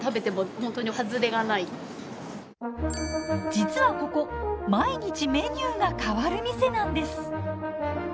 実はここ毎日メニューが変わる店なんです。